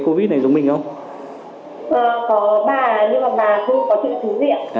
có bà nhưng mà bà không có triệu chứng gì ạ